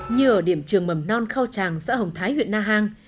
như ở điểm trường mầm non khao tràng xã hồng thái huyện na hàng